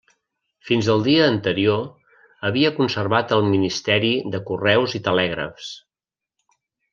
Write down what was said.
Fins al dia anterior havia conservat el ministeri de correus i telègrafs.